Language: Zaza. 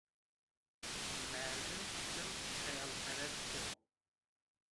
Merdim tim xeyalperest o